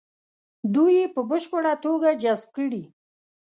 دوی یې په بشپړه توګه جذب کړي.